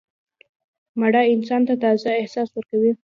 منډه انسان ته تازه احساس ورکوي